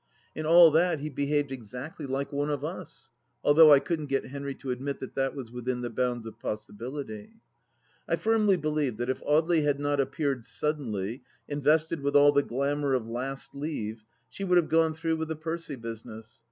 In all that he behaved exactly like one of us, although I couldn't get Henry to admit that that was within the bounds of possi bility. I firmly believed that if Audely had not appeared sud denly, invested with all the glamour of Last Leave, she would have gone through with the Percy business.